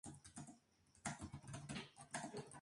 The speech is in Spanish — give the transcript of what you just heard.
Esta película fue filmada en los suburbios de Montreal, Canadá.